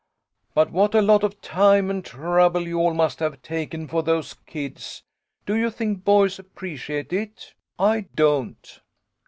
"But what a lot of time and trouble you all must have taken for those kids. Do you think boys appreciate it? I don't."